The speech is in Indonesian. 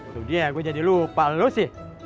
sudi ya gue jadi lupa lo sih